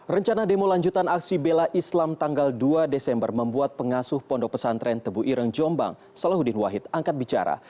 rencana demo lanjutan aksi bela islam tanggal dua desember membuat pengasuh pondok pesantren tebu ireng jombang salahuddin wahid angkat bicara